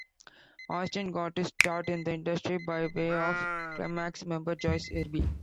Austin got his start in the industry by way of Klymaxx member Joyce Irby.